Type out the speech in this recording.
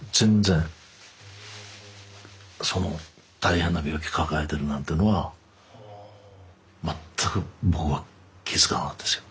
その大変な病気抱えてるなんていうのは全く僕は気付かなかったですよ。